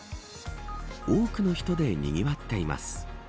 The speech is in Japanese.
多くの人でにぎわっています。